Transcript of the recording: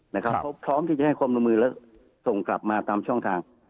นะครับครับพร้อมที่จะให้ความลงมือแล้วส่งกลับมาตามช่องทาง